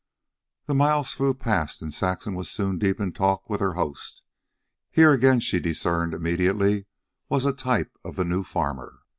The miles flew past and Saxon was soon deep in talk with her host. Here again, she discerned immediately, was a type of the new farmer.